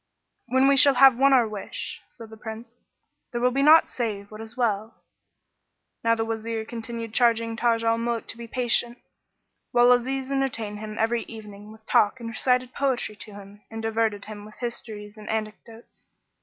"When we shall have won our wish," said the Prince, "there will be naught save what is well!" Now the Wazir continued charging Taj al Muluk to be patient, whilst Aziz entertained him every evening with talk and recited poetry to him and diverted him with histories and anecdotes.